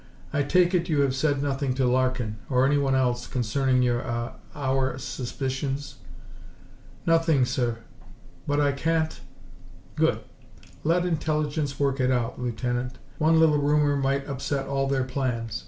"I take it you have said nothing to Larkin, or anyone else, concerning your ah, our suspicions?" "Nothing, sir. But I can't " "Good. Let Intelligence work it out, Lieutenant. One little rumor might upset all their plans.